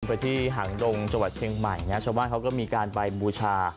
ไปที่หางดงจังหวัดเชียงใหม่นะชาวบ้านเขาก็มีการไปบูชา